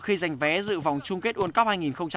khi giành vé dự vòng chung kết world cup hai nghìn một mươi tám